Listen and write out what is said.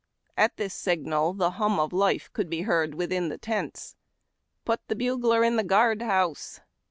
At this signal, the hum of life could be heard within the tents. " Put the bugler in the guard house